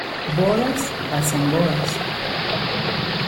Bodas hacen bodas.